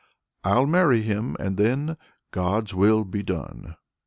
I'll marry him, and then God's will be done!"